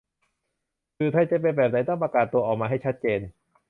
สื่อไทยจะเป็นแบบไหนต้องประกาศตัวออกมาให้ชัดเจน